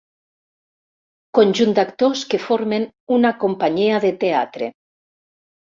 Conjunt d'actors que formen una companyia de teatre.